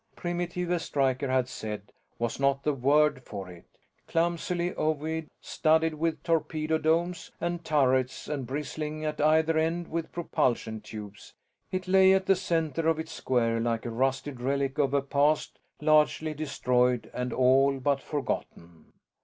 Primitive, as Stryker had said, was not the word for it: clumsily ovoid, studded with torpedo domes and turrets and bristling at either end with propulsion tubes, it lay at the center of its square like a rusted relic of a past largely destroyed and all but forgotten.